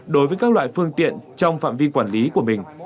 đối với các loại phương tiện trong phạm vi quản lý của mình